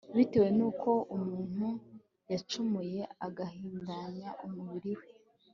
bitewe n'uko umuntu yacumuye agahindanya umubiri we